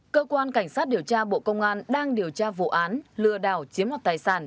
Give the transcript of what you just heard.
cơ quan cảnh sát điều tra bộ công an đang điều tra vụ án lừa đảo chiếm hoạt tài sản